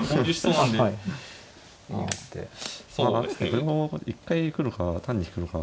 これも一回行くのか単に引くのか。